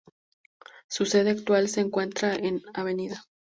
Su sede actual se encuentra en Av.